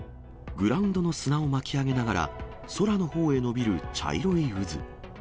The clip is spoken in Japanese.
グラウンドの砂を巻き上げながら、空のほうへ伸びる茶色い渦。